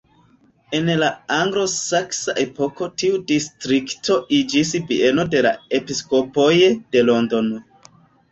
En la anglo-saksa epoko tiu distrikto iĝis bieno de la episkopoj de Londono.